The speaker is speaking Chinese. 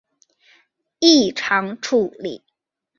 异常处理